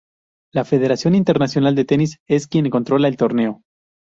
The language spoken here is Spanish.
La Federación Internacional de Tenis es quien controla el torneo.